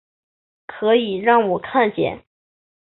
可以让我看见